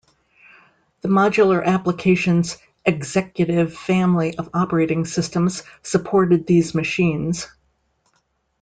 The Modular Applications eXecutive family of operating systems supported these machines.